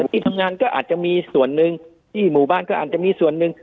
ที่ทำงานก็อาจจะมีส่วนหนึ่งที่หมู่บ้านก็อาจจะมีส่วนหนึ่ง